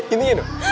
ini ya dong